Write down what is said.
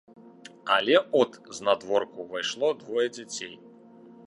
Але от знадворку ўвайшло двое дзяцей.